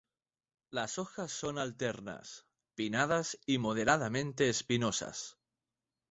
Las hojas son alternas, pinnadas y moderadamente espinosas.